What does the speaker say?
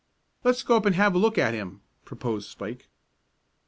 "Let's go up and have a look at him," proposed Spike.